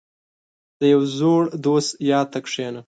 • د یو زوړ دوست یاد ته کښېنه.